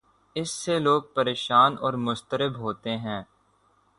اس سے لوگ پریشان اور مضطرب ہوتے ہیں۔